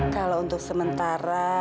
kalau untuk sementara